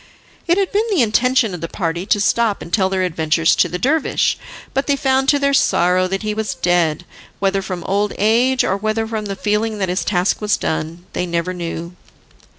It had been the intention of the party to stop and tell their adventures to the dervish, but they found to their sorrow that he was dead, whether from old age, or whether from the feeling that his task was done, they never knew.